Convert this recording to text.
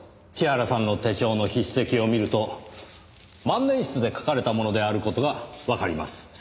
千原さんの手帳の筆跡を見ると万年筆で書かれたものである事がわかります。